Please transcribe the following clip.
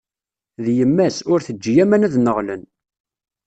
D yemma-s, ur teǧǧi aman ad nneɣlen!